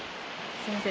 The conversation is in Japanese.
すいません